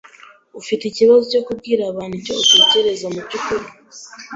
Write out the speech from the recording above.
Ufite ikibazo cyo kubwira abantu icyo utekereza mubyukuri?